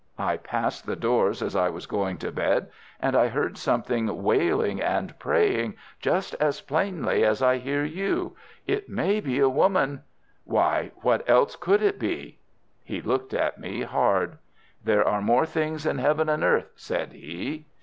I passed the doors as I was going to bed, and I heard something wailing and praying just as plainly as I hear you. It may be a woman——" "Why, what else could it be?" He looked at me hard. "There are more things in heaven and earth," said he.